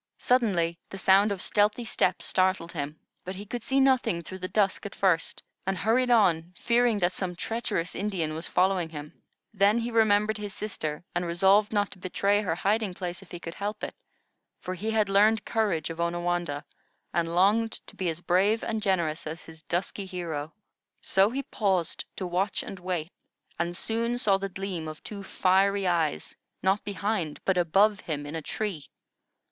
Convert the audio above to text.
Suddenly, the sound of stealthy steps startled him, but he could see nothing through the dusk at first, and hurried on, fearing that some treacherous Indian was following him. Then he remembered his sister, and resolved not to betray her resting place if he could help it, for he had learned courage of Onawandah, and longed to be as brave and generous as his dusky hero. So he paused to watch and wait, and soon saw the gleam of two fiery eyes, not behind, but above him, in a tree.